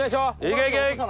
いけいけ！